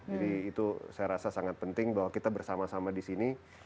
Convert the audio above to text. jadi itu saya rasa sangat penting bahwa kita bersama sama di sini